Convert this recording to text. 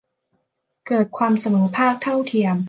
เกิดความเสมอภาค เท่าเทียม